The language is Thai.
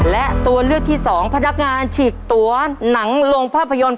และตัวเลือกที่สองพนักงานฉีกตัวหนังลงภาพยนตร์